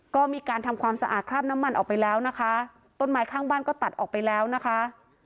ก็มีการทำความสะอาดคราบน้ำมันออกไปแล้วนะคะต้นไม้ข้างบ้านก็ตัดออกไปแล้วนะคะ